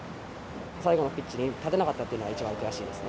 最後のピッチに立てなかったっていうのが一番悔しいですね。